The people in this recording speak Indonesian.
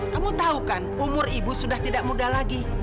kamu tahu kan umur ibu sudah tidak muda lagi